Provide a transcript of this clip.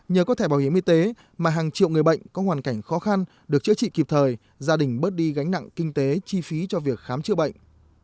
nhờ có thẻ bảo hiểm y tế mà hàng triệu người bệnh có hoàn cảnh khó khăn được chữa trị kịp thời gia đình bớt đi gánh nặng kinh tế chi phí cho việc khám chữa bệnh